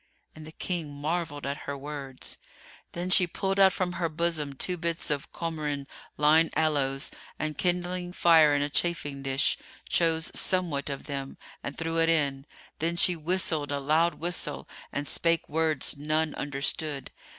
And the King marvelled at her words. Then she pulled out from her bosom two bits of Comorin lign aloes and, kindling fire in a chafing dish, chose somewhat of them and threw it in, then she whistled a loud whistle and spake words none understood.